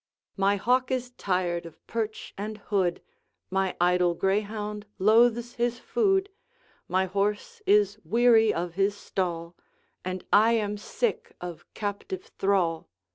'My hawk is tired of perch and hood, My idle greyhound loathes his food, My horse is weary of his stall, And I am sick of captive thrall.